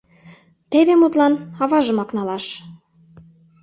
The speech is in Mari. Теве, мутлан, аважымак налаш.